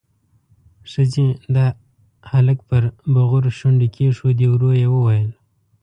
ښځې د هلک پر بغور شونډې کېښودې، ورو يې وويل: